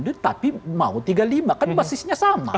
tapi mau tiga puluh lima kan basisnya sama